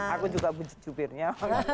aku juga bujut jubirnya